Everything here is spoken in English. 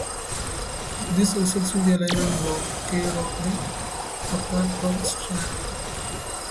This resulted in the Allied blockade of the Otranto Strait.